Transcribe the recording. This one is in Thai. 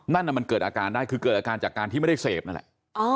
นั่นมันเกิดอาการได้คือเกิดอาการจากการที่ไม่ได้เสพนั่นแหละ